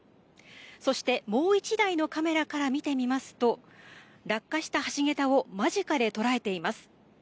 そして、もう１台のカメラから見てみますと、落下した橋桁を間近で捉えています。